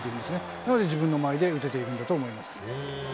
なので自分の間合いで打てているんだと思います。